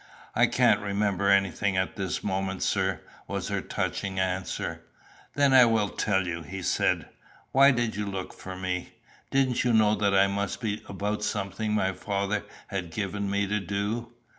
"I can't remember anything at this moment, sir," was her touching answer. "Then I will tell you. He said, 'Why did you look for me? Didn't you know that I must be about something my Father had given me to do?